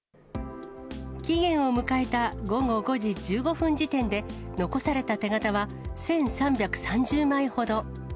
期限を迎えた午後５時１５分時点で残された手形は１３３０枚ほど。